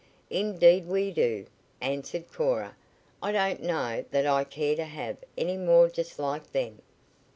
"Indeed we do," answered Cora. "I don't know that I care to have any more just like them."